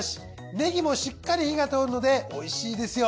ネギもしっかり火が通るので美味しいですよ。